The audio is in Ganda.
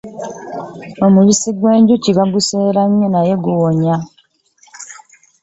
Omubisi gw'enjuki baguseera nnyo naye era guwooma.